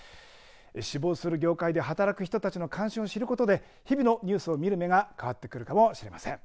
志望する業界で働く人たちの関心を知ることで日々のニュースを見る目が変わってくるかもしれません。